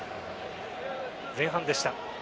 前半でした。